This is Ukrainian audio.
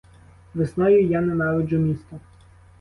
Весною я ненавиджу місто.